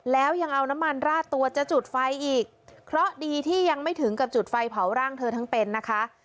แล้วยังเอาน้ำมันราดตัวจะจุดไฟอีกเพราะดีที่ยังไม่ถึงกับจุดไฟเผาร่างเธอทั้งเป็นนะคะ